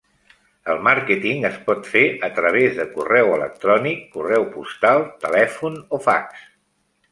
El màrqueting es pot fer a través de correu electrònic, correu postal, telèfon o fax.